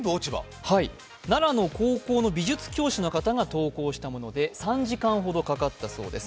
奈良の高校の美術教師の方が投稿したそうで、３時間ほどかかったそうです。